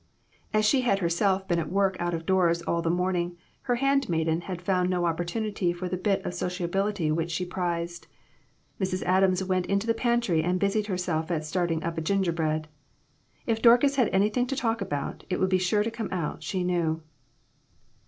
As she had herself been at work out of doors all the morning, her handmaiden had found no opportunity for the bit of sociability which she prized. Mrs. Adams went into the pantry and busied herself at stirring up a gingerbread. If Dorcas had anything to talk about, it would be sure to come out, she knew.